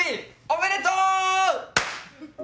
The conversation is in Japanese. おめでとう！